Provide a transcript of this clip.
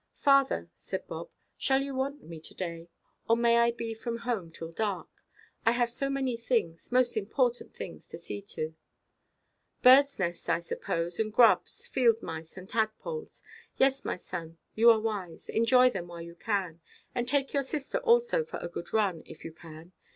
"Father," said Bob, "shall you want me to–day? Or may I be from home till dark? I have so many things, most important things, to see to." "Birds' nests, I suppose, and grubs, field–mice, and tadpoles. Yes, my son, you are wise. Enjoy them while you can. And take your sister also for a good run, if you can.